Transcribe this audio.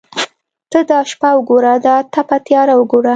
ته دا شپه وګوره دا تپه تیاره وګوره.